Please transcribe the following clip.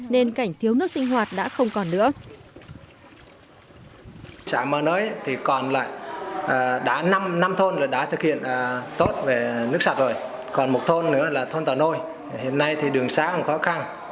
nên cảnh thiếu nước sinh hoạt đã không còn nữa